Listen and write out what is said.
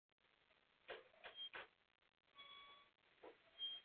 Některé parfémy však při správném skladování vydrží desítky let.